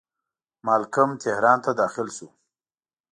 مالکم تهران ته داخل شو.